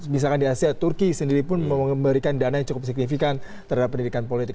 misalkan di asia turki sendiri pun memberikan dana yang cukup signifikan terhadap pendidikan politik